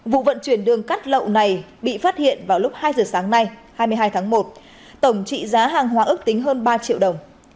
vụ vận chuyển đường cát lậu này bị phát hiện vào lúc hai giờ sáng nay hai mươi hai tháng một tổng trị giá hàng hóa ước tính hơn ba triệu đồng